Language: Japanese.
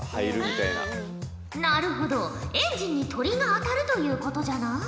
なるほどエンジンに鳥が当たるということじゃな。